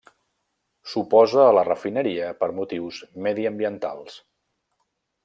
S'oposa a la refineria per motius mediambientals.